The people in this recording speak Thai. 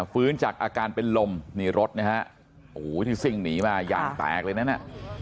ฟื้นจากอาการเป็นลมนี่รถนะฮะโอ้โหที่ซิ่งหนีมาอย่างแตกเลยนั้นน่ะ